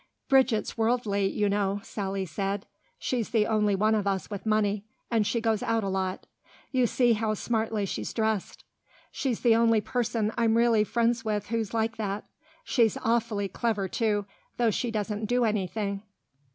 "Bridget's worldly, you know," Sally said. "She's the only one of us with money, and she goes out a lot. You see how smartly she's dressed. She's the only person I'm really friends with who's like that. She's awfully clever, too, though she doesn't do anything."